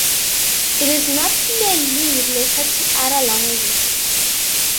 It is not clearly related to other languages.